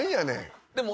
でも。